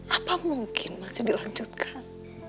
apa mungkin masih dilanjutkan